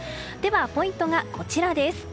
ポイントがこちらです。